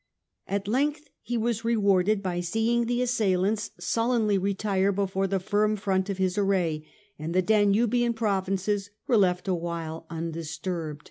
At length he was rewarded by see ing the assailants sullenly retire before the firm front of his array ; and the Danubian provinces were left a while undisturbed.